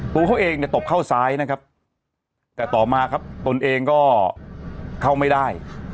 ตัวเขาเองเนี่ยตบเข้าซ้ายนะครับแต่ต่อมาครับตนเองก็เข้าไม่ได้